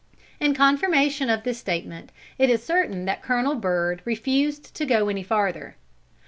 In confirmation of this statement, it is certain that Colonel Byrd refused to go any farther.